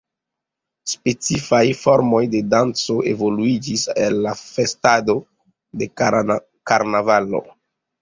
Specifaj formoj de danco evoluiĝis el la festado de karnavalo.